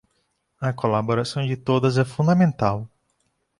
A colaboração de todos é fundamental